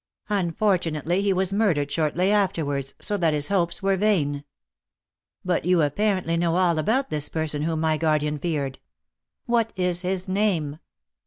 Unfortunately, he was murdered shortly afterwards, so that his hopes were vain. But you apparently know all about this person whom my guardian feared. What is his name?"